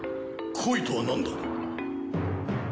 恋とは何だ？